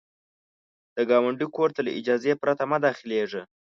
د ګاونډي کور ته له اجازې پرته مه داخلیږه